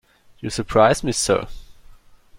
You surprise me, sir.